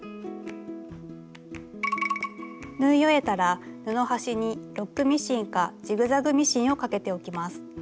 縫い終えたら布端にロックミシンかジグザグミシンをかけておきます。